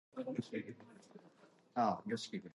This thwarted his career as a jockey.